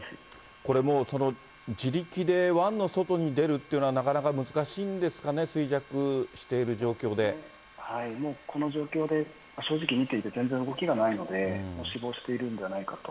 これもう、自力で湾の外に出るというのはなかなか難しいんでもうこの状況で、正直見ていて、全然動きがないので、もう死亡しているんじゃないかと。